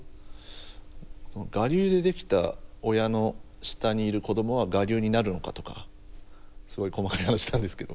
我流でできた親の下にいる子どもは我流になるのかとかすごい細かい話なんですけど。